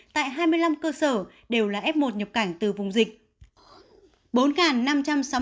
tại hai mươi năm cơ sở đều là f một nhập cảnh từ vùng dịch